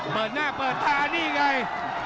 เปิดหน้าเปิดตานี่ไง